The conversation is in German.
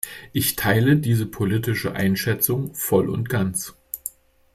Ich teile diese politische Einschätzung voll und ganz.